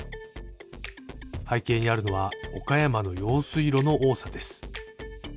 背景にあるのは岡山の用水路の多さです